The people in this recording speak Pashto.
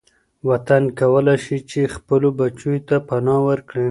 وطن کولای شي چي خپلو بچو ته پناه ورکړي.